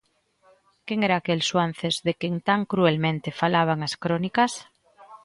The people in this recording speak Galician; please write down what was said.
Quen era aquel Suanzes de quen tan cruelmente falaban as crónicas?